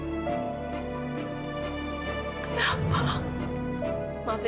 bulassa mereka terang namanya